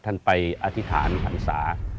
ท่านไปอธิษฐานหันศา